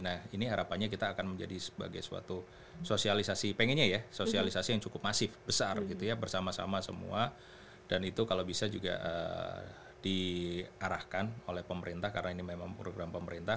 nah ini harapannya kita akan menjadi sebagai suatu sosialisasi pengennya ya sosialisasi yang cukup masif besar gitu ya bersama sama semua dan itu kalau bisa juga diarahkan oleh pemerintah karena ini memang program pemerintah